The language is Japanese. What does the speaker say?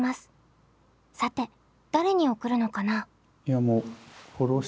さて誰に送るのかな？